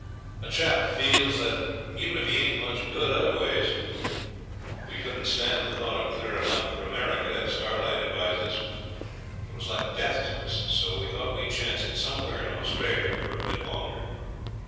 A chap feels that, even if he ain't much good other ways. We couldn't stand the thought of clearin' out for America, as Starlight advised us. It was like death to us, so we thought we'd chance it somewhere in Australia for a bit longer.